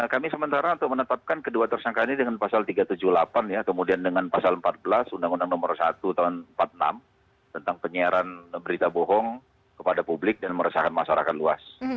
kami sementara untuk menetapkan kedua tersangka ini dengan pasal tiga ratus tujuh puluh delapan ya kemudian dengan pasal empat belas undang undang nomor satu tahun seribu sembilan ratus empat puluh enam tentang penyiaran berita bohong kepada publik dan meresahkan masyarakat luas